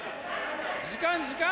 時間時間！